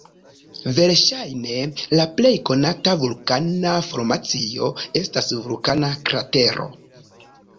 Verŝajne la plej konata vulkana formacio estas vulkana kratero.